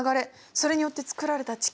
それによってつくられた地形。